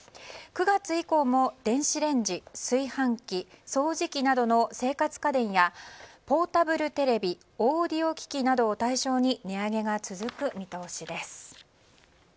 ９月以降も電子レンジ、炊飯器掃除機などの生活家電や、ポータブルテレビオーディオ機器を対象に対象に値上げが続く見通しです。